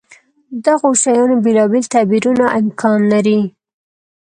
دغو شیانو بېلابېل تعبیرونه امکان لري.